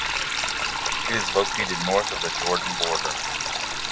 It is located north of the Jordan border.